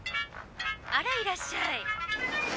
あらいらっしゃい。